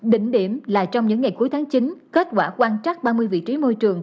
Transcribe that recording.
đỉnh điểm là trong những ngày cuối tháng chín kết quả quan trắc ba mươi vị trí môi trường